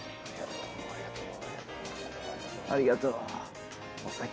ありがとう！お先。